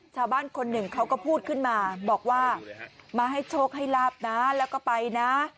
ชาวบ้านคนหนึ่งเขาก็พูดขึ้นมาบอกว่ามาให้โชคให้ลาบนะแล้วก็ไปนะ